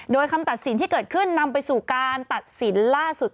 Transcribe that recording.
โดยคำตัดสินที่เกิดขึ้นนำไปสู่การตัดสินล่าสุด